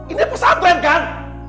ini pesantren kan